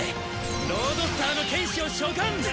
ロードスターの剣士を召喚！